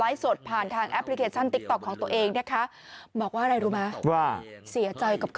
อยากให้ฟังค่ะ